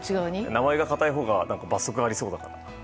名前がかたいほうが罰則がありそうだから。